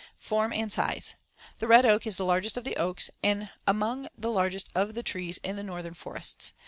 ] Form and size: The red oak is the largest of the oaks and among the largest of the trees in the northern forests.